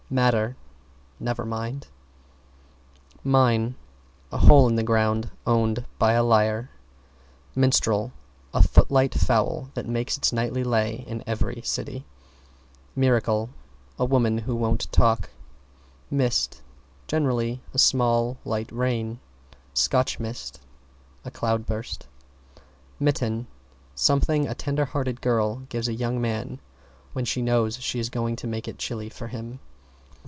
=MATTER= Never mind. =MINE= A hole in the ground owned by a liar. =MINSTREL= A footlight foul that makes its nightly lay in every city. =MIRACLE= A woman who won't talk. =MIST= Generally, a small, light rain. =SCOTCH MIST= A cloudburst. =MITTEN= Something a tender hearted girl gives a young man when she knows she is going to make it chilly for him.